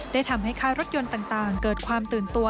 ได้ทำให้ค่ายรถยนต์ต่างเกิดความตื่นตัว